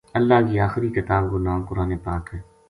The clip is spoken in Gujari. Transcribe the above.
اللہ کی آخری کتاب کو ناں قرآن پاک ہے۔